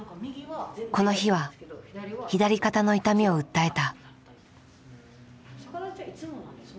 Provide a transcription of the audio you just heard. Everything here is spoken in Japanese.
この日は左肩の痛みを訴えた。